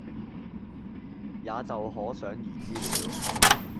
也就可想而知了，